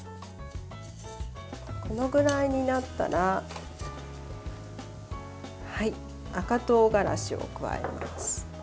このぐらいになったら赤とうがらしを加えます。